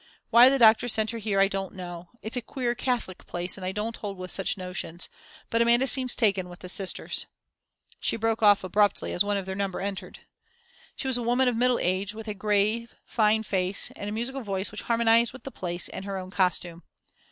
Why the doctor sent her here, I don't know. It's a queer Catholic place, and I don't hold with such notions, but Amanda seems taken with the sisters" she broke off abruptly as one of their number entered. She was a woman of middle age, with a grave, fine face and musical voice which harmonized with the place and her own costume.